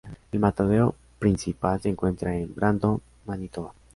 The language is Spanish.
El matadero principal se encuentra en Brandon, Manitoba.